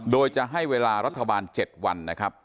โดยจะให้เวลารัฐบาล๗วันนะครับ